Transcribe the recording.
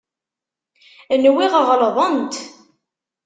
Nwiɣ ɣelḍent.